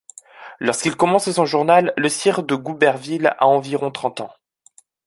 Lorsqu’il commence son journal, le sire de Gouberville a environ trente ans.